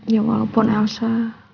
ya walaupun elsa